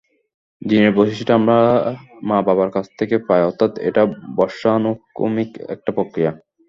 জিনের বৈশিষ্ট্য আমরা মা-বাবার কাছে থেকে পাই, অর্থাৎ এটা বংশানুক্রমিক একটা প্রক্রিয়া।